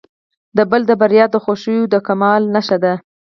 د بل د بریا خوښول د کمال نښه ده.